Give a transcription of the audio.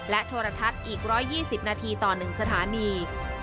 โทรทัศน์อีก๑๒๐นาทีต่อ๑สถานี